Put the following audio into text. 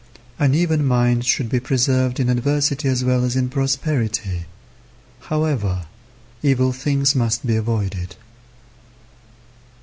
An even mind should be preserved in adversity as well as in prosperity. However, evil things must be avoided.